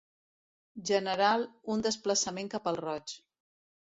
General un desplaçament cap al roig.